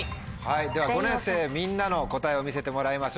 では５年生みんなの答えを見せてもらいましょう。